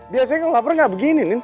biasanya kalau lapar gak begini